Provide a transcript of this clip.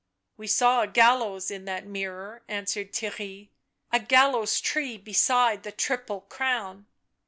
"We saw a gallows in that mirror," answered Theirry, " a gallows tree beside the triple crown."